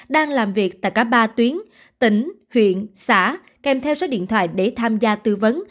đang làm việc tại cả ba tuyến tỉnh huyện xã kèm theo số điện thoại để tham gia tư vấn